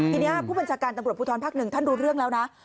ทีนี้ผู้บัญชาการตำรวจภูทรภาคหนึ่งท่านรู้เรื่องแล้วนะ